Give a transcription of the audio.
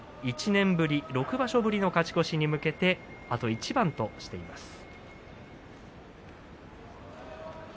１年ぶり、６場所ぶりの勝ち越しに向けてあと一番となりました。